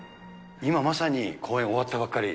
今まさに、公演終わったばっかり。